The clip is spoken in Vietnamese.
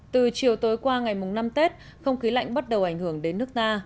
từ chiều tối qua ngày mùng năm tết không khí lạnh bắt đầu ảnh hưởng đến nước ta